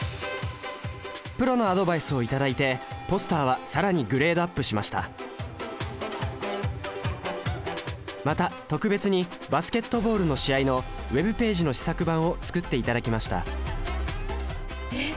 プロのアドバイスを頂いてポスターは更にグレードアップしましたまた特別にバスケットボールの試合のＷｅｂページの試作版を作っていただきましたえっ！？